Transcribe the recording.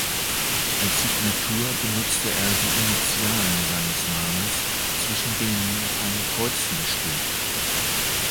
Als Signatur benutzte er die Initialen seines Namens, zwischen denen ein Kreuzchen steht.